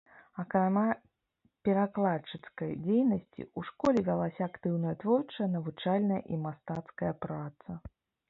Акрамя перакладчыцкай дзейнасці, у школе вялася актыўная творчая, навучальная і мастацкая праца.